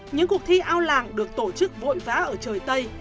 những cuộc thi ao làng được tổ chức vộn vã ở trời tây